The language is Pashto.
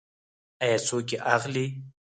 آیا څوک یې اخلي؟